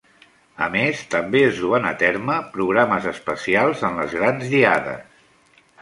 A més també es duen a terme programes especials en les grans diades.